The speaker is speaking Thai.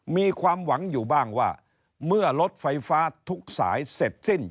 มีความหวังอยู่บ้างว่าเมื่อรถไฟฟ้าทุกสายเสร็จสิ้น